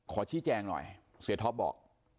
ขอชี้แจงหน่อยเสียท็อปบอก